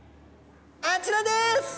あちらです！